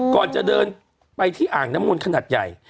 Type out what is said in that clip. ก่อนจะเดินไปที่อ่างน้ำมนต์ขนาดใหญ่